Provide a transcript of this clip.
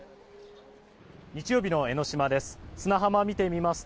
日曜日の江の島です。